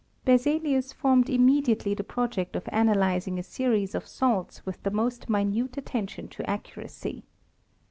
Berzelius formed immediately tlie project of analyzings series of salts with the most minute attention to accuracy.